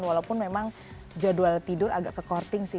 walaupun memang jadwal tidur agak ke courting sih